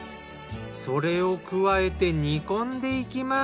それを加えて煮込んでいきます。